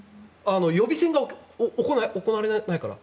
予備選が行われないから。